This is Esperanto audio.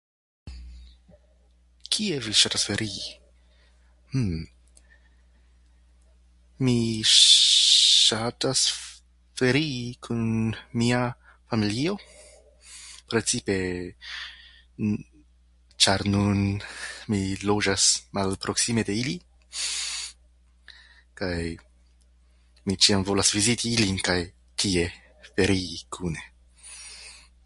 Kie vi ŝatas ferii? Mmm... Mi ŝatas ferii kun mia familio, precipe ĉar nun mi loĝas malproksime de ili... kaj mi ĉiam mi volas viziti ilin kaj tie ferii kune.